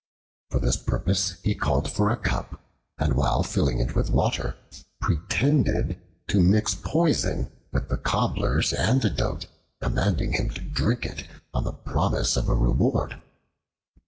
For this purpose he called for a cup, and while filling it with water, pretended to mix poison with the Cobbler's antidote, commanding him to drink it on the promise of a reward.